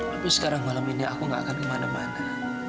tapi sekarang malam ini aku gak akan kemana mana